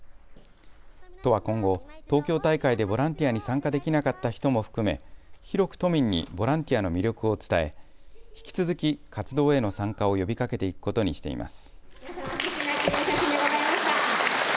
都は今後、東京大会でボランティアに参加できなかった人も含め広く都民にボランティアの魅力を伝え引き続き活動への参加を呼びかけていくことにしています。